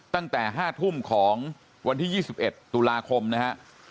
ตั้งแต่๕ทุ่มของวันที่๒๑ตุลาคมนะฮะ